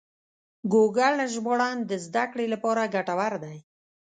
ګوګل ژباړن د زده کړې لپاره ګټور دی.